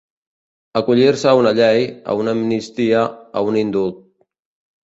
Acollir-se a una llei, a una amnistia, a un indult.